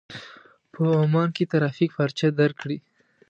په عمان کې ترافيکو پارچه درکړې.